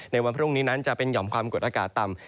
ในวันพรุ่งนี้นั้นจะเป็นห่อมความกดอากาศต่ำ